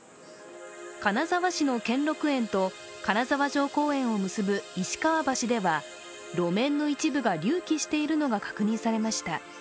金沢市の兼六園と金沢城公園を結ぶ石川橋では、路面の一部が隆起しているのが確認されました。